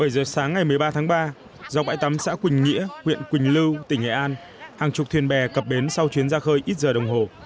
bảy giờ sáng ngày một mươi ba tháng ba dọc bãi tắm xã quỳnh nghĩa huyện quỳnh lưu tỉnh nghệ an hàng chục thuyền bè cập bến sau chuyến ra khơi ít giờ đồng hồ